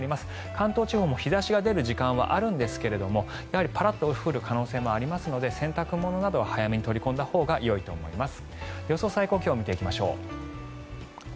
関東地方も日差しが出る時間はあるんですがパラッと降る可能性もありますので洗濯物などは早めに取り込んだほうがよいと思います。